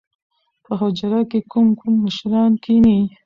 په حجره کښې کوم کوم مشران کښېني؟